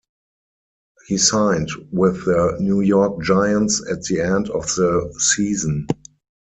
He signed with the New York Giants at the end of the season.